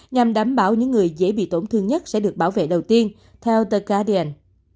nhằm đảm bảo những người dễ bị tổn thương nhất sẽ được bảo vệ đầu tiên theo the guardian